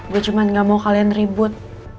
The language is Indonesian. gue cuman gak mau kalian ribut